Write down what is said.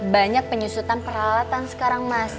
banyak penyusutan peralatan sekarang mas